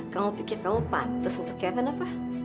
kamu pikir kamu patah sentuh kevin apa